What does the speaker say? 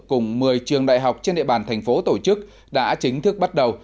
cùng một mươi trường đại học trên địa bàn tp hcm tổ chức đã chính thức bắt đầu